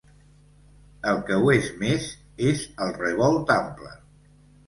El que ho és més és el Revolt Ample.